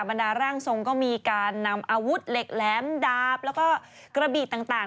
บรรดาร่างทรงก็มีการนำอาวุธเหล็กแหลมดาบแล้วก็กระบีต่าง